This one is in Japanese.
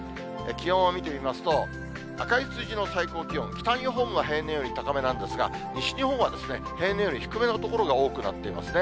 気温を見てみますと、赤い数字の最高気温、北日本は平年より高めなんですが、西日本は平年より低めの所が多くなっていますね。